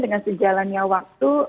dengan sejalannya waktu